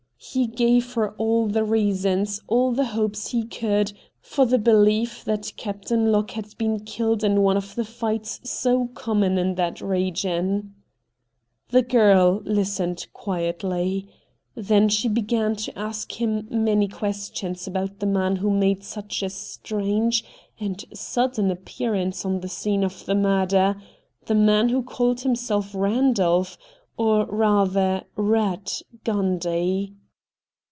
He gave her all the reasons, all the hopes he could, for the belief that Captain Locke had been killed in one of the fights so common in that region. The girl hstened quietly. Then she began to ask him many questions about the man who made such a strange and sudden THE CULTURE COLLEGE 191 appearance on the scene of the murder — the man who called himself Eandolph, or rather Eatt, Gundy.